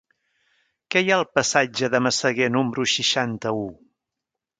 Què hi ha al passatge de Massaguer número seixanta-u?